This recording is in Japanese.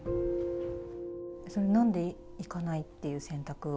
それなんで行かないっていう選択を？